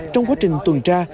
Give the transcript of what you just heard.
trong quá trình tuần tra